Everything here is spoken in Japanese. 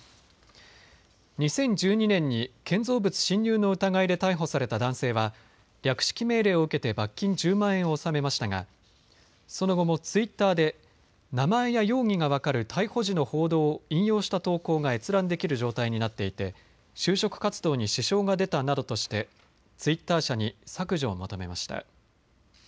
２０１２年に建造物侵入の疑いで逮捕された男性は略式命令を受けて罰金１０万円を納めましたがその後もツイッターで名前や容疑が分かる逮捕時の報道を引用した投稿が閲覧できる状態になっていて就職活動に支障が出たなどとしてツイッター社に削除を求めました。